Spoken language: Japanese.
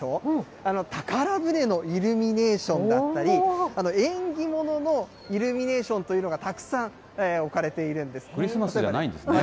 あの宝船のイルミネーションだったり、縁起物のイルミネーションというのがたくさん置かれているクリスマスじゃないんですね。